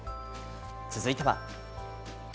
続いては。